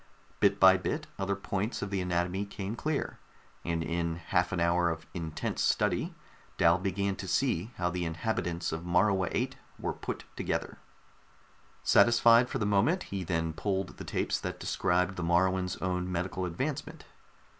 Bit by bit other points of the anatomy came clear, and in half an hour of intense study Dal began to see how the inhabitants of Morua VIII were put together. Satisfied for the moment, he then pulled the tapes that described the Moruans' own medical advancement.